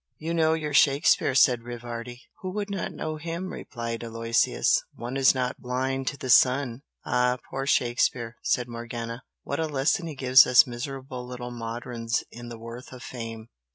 '" "You know your Shakespeare!" said Rivardi. "Who would not know him!" replied Aloysius "One is not blind to the sun!" "Ah, poor Shakespeare!" said Morgana "What a lesson he gives us miserable little moderns in the worth of fame!